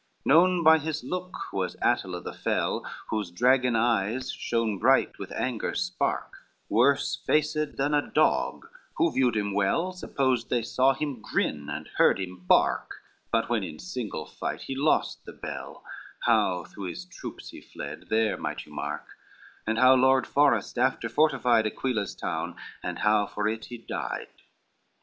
LXIX Known by his look was Attila the fell, Whose dragon eyes shone bright with anger's spark, Worse faced than a dog, who viewed him well Supposed they saw him grin and heard him bark; But when in single fight he lost the bell, How through his troops he fled there might you mark, And how Lord Forest after fortified Aquilea's town, and how for it he died.